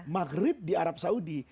maghrib di arab saudi